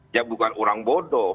ya bukan orang bodoh